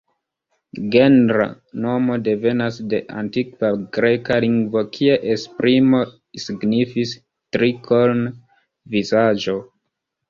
Genra nomo devenas de antikva greka lingvo kie esprimo signifis „tri-korn-vizaĝo”.